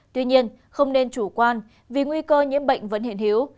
tuy nhiên không nên chủ quan vì nguy cơ nhiễm bệnh vẫn hiện hiếu